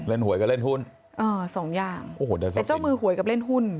เล่นหวยกับเล่นหุ้นอ๋อสองอย่างโอ้โหแต่เจ้ามือหวยกับเล่นหุ้น